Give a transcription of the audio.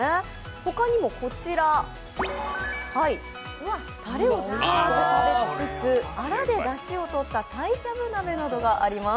他にもこちら、たれをつけずに食べ尽くすアラでだしをとったたいしゃぶ鍋などがあります。